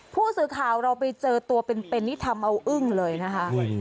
ผู้สื่อข่าวเราไปเจอตัวเป็นนี่ทำเอาอึ้งเลยนะคะ